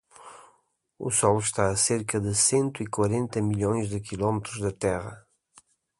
O Sol está a cerca de cento e quarenta milhões de quilómetros da Terra.